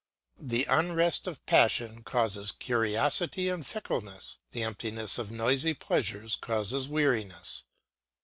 The unrest of passion causes curiosity and fickleness; the emptiness of noisy pleasures causes weariness.